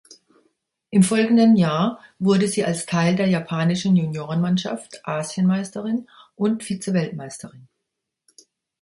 Im folgenden Jahr wurde sie als Teil der japanischen Juniorenmannschaft Asienmeisterin und Vizeweltmeisterin.